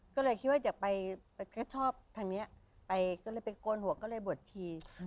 ก็เลยคิดว่าจะไปแค่ชอบทางนี้ไปก็เลยไปโกนหัวก็เลยบวชชีพระอำนวย